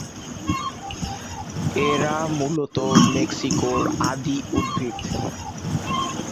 এরা মূলত মেক্সিকোর আদি উদ্ভিদ।